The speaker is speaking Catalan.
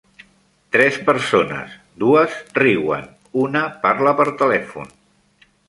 Tres persones, dues riuen, una parla per telèfon.